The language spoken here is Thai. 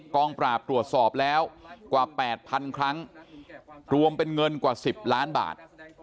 กองปราบตรวจสอบแล้วกว่า๘๐๐๐ครั้งรวมเป็นเงินกว่า๑๐ล้านบาท